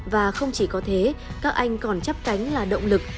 và không chỉ có thế các anh còn chấp cánh là động lực